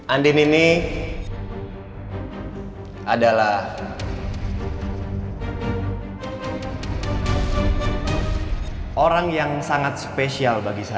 andin ini adalah orang yang sangat spesial bagi saya